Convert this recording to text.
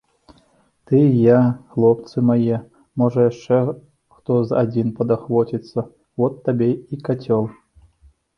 Ты, я, хлопцы мае, можа, яшчэ хто з адзін падахвоціцца, от табе і кацёл.